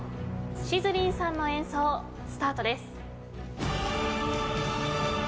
しずりんさんの演奏スタートです。